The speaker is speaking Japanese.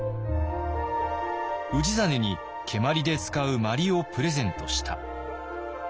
「氏真に蹴鞠で使う鞠をプレゼントした」。